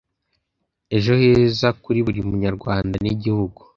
ejo heza kuri buri munyarwanda n igihugu